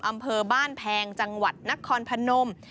อำเภอบ้านแพงจังหวัดนครพนม